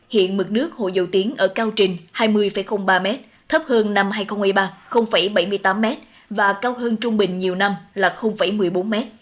hiện mực nước hồ dầu tiếng ở cao trình hai mươi ba m thấp hơn năm hai nghìn một mươi ba bảy mươi tám m và cao hơn trung bình nhiều năm là một mươi bốn m